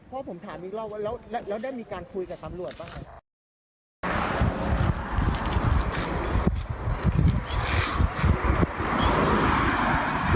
พ่อผมถามอีกรอบแล้วได้มีการคุยกับกำรวจป่ะ